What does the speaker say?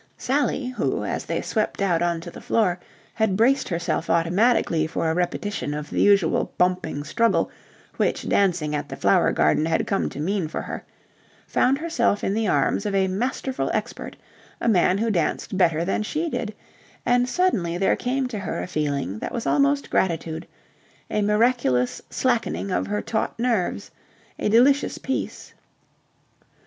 Sally, who, as they swept out on to the floor, had braced herself automatically for a repetition of the usual bumping struggle which dancing at the Flower Garden had come to mean for her, found herself in the arms of a masterful expert, a man who danced better than she did, and suddenly there came to her a feeling that was almost gratitude, a miraculous slackening of her taut nerves, a delicious peace.